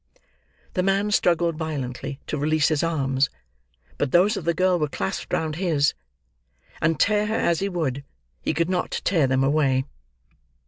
The man struggled violently, to release his arms; but those of the girl were clasped round his, and tear her as he would, he could not tear them away.